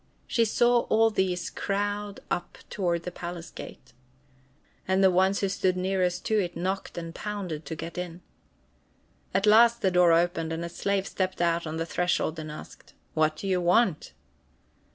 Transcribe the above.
She saw all these crowd up toward the palace gate. And the ones who stood nearest to it knocked and pounded to get in. At last the door opened, and a slave stepped out on the threshold and asked: "What do you want?"